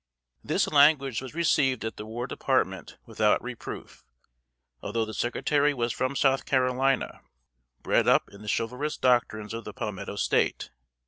This language was received at the War Department without reproof, although the Secretary was from South Carolina, bred up in the chivalrous doctrines of the Palmetto State.